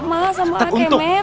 mas sama akemet